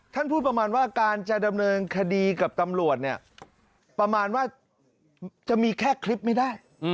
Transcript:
ท่านพูดประมาณว่าการจะดำเนินคดีกับตำรวจเนี่ยประมาณว่าจะมีแค่คลิปไม่ได้